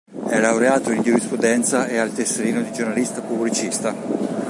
È laureato in giurisprudenza e ha il tesserino di giornalista pubblicista.